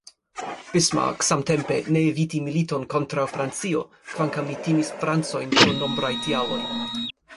Bismarck, samtempe, ne eviti militon kontraŭ Francio, kvankam li timis Francojn pro nombraj tialoj.